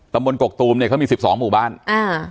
บนกกตูมเนี้ยเขามีสิบสองหมู่บ้านอ่า